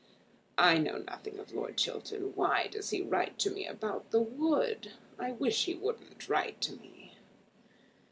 "I know nothing of Lord Chiltern. Why does he write to me about the wood? I wish he wouldn't write to me."